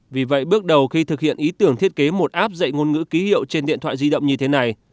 vì vậy bước đầu khi thực hiện ý tưởng thiết kế một app dạy ngôn ngữ ký hiệu trên điện thoại di động như thế này